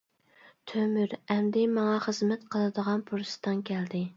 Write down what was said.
-تۆمۈر، ئەمدى ماڭا خىزمەت قىلىدىغان پۇرسىتىڭ كەلدى.